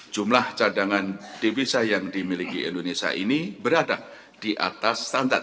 jumlah cadangan devisa yang dimiliki indonesia ini berada di atas standar